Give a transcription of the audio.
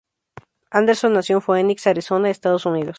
Anderson nació en Phoenix, Arizona, Estados Unidos.